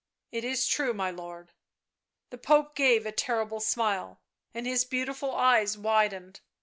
" It is true, my lord." The Pope gave a terrible smile, and his beautiful eyes widened.